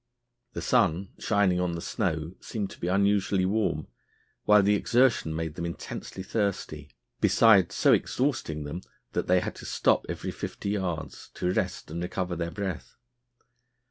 The sun shining on the snow seemed to be unusually warm, while the exertion made them intensely thirsty, besides so exhausting them that they had to stop every fifty yards to rest and recover their breath.